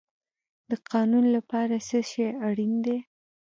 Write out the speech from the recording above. د قانون لپاره څه شی اړین دی؟